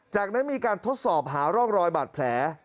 จากนั้นมีการทดสอบหาร่องรอยบาดแผล